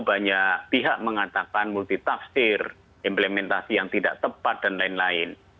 banyak pihak mengatakan multitafsir implementasi yang tidak tepat dan lain lain